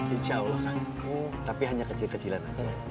insya allah kampung tapi hanya kecil kecilan aja